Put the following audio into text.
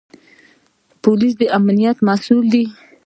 پولیس د امنیت مسوول دی